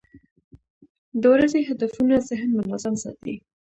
د ورځې هدفونه ذهن منظم ساتي.